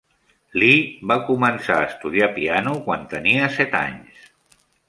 Li va començar a estudiar piano quan tenia set anys.